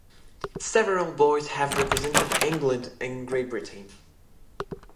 Several boys have represented England and Great Britain.